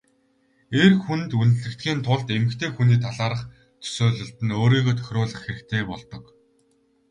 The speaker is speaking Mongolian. Эр хүнд үнэлэгдэхийн тулд эмэгтэй хүний талаарх төсөөлөлд нь өөрийгөө тохируулах хэрэгтэй болдог.